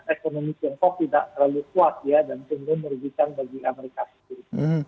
ekonomi tiongkok tidak terlalu kuat ya dan tentu merugikan bagi amerika sendiri